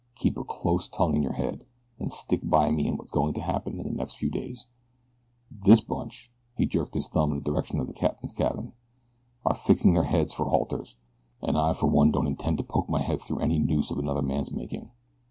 Keep a close tongue in your head and stick by me in what's going to happen in the next few days. This bunch," he jerked his thumb in the direction of the captain's cabin, "are fixing their necks for halters, an' I for one don't intend to poke my head through any noose of another man's making.